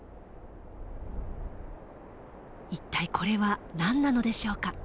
一体これは何なのでしょうか。